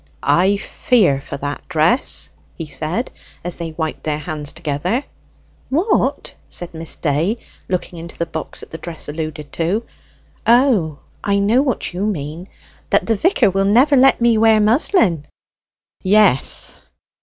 "I fear for that dress," he said, as they wiped their hands together. "What?" said Miss Day, looking into the box at the dress alluded to. "O, I know what you mean that the vicar will never let me wear muslin?" "Yes."